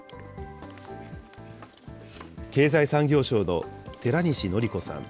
経済産業省の寺西規子さん。